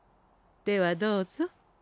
ではどうぞ。